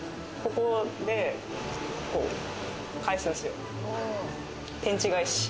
ここで、こう返すんですよ。